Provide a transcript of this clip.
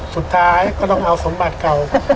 สุดท้ายก็ต้องเอาสมบัติเก่า